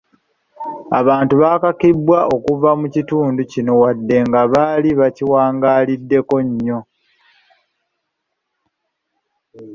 Abantu baakakibwa okuva mu kitundu kino wadde nga baali bakiwangaaliddeko nnyo.